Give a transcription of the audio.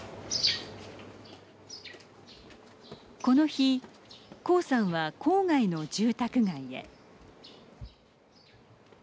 この日、黄さんは郊外の住宅街へ。